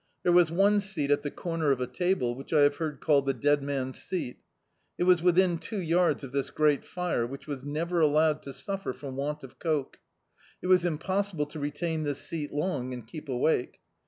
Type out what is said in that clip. There was one seat at the comer of a table, which I have heard called "the dead man's seat" It was within two yards of this great fire, which was never allowed to suffer frcnn want of coke. It was im possible to retain this seat long and keep awake.